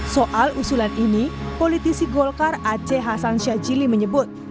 soal usulan ini politisi golkar aceh hasan syajili menyebut